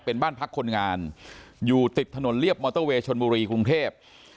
เป็นบ้านพักคนงานอยู่ติดถนนเรียบมอเตอร์เวย์ชนบุรีกรุงเทพ